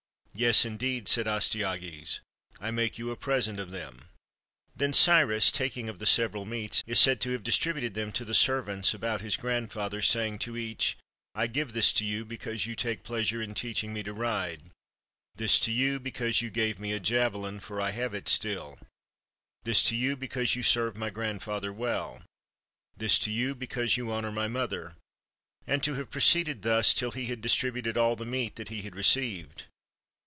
" "Yes, indeed," said Astyages; "I make you a present of them." Then Cyrus, taking of the several meats, is said to have distributed them to the servants about his grand father, saying to each, "I give this to you, because you take pleasure in teaching me to ride; this to you, be cause you gave me a javelin, for I have it still ; this to you, because you serve my grandfather well; this to you, because you honor my mother"; and to have proceeded thus, till he had distributed all the meat that he had received.